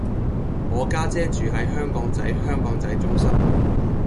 我家姐住喺香港仔香港仔中心